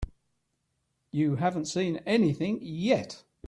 You haven't seen anything yet.